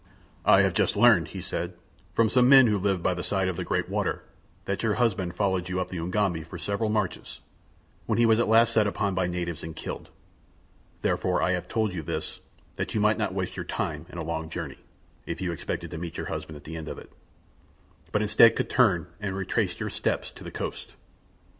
"I have just learned," he said, "from some men who live by the side of the great water, that your husband followed you up the Ugambi for several marches, when he was at last set upon by natives and killed. Therefore I have told you this that you might not waste your time in a long journey if you expected to meet your husband at the end of it; but instead could turn and retrace your steps to the coast."